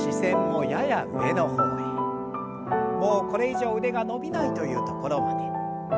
もうこれ以上腕が伸びないというところまで。